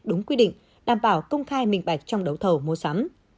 đúng quy định đảm bảo công khai minh bạch trong đấu thầu mua sắm